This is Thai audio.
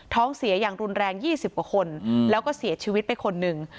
เสียอย่างรุนแรง๒๐กว่าคนแล้วก็เสียชีวิตไปคนหนึ่ง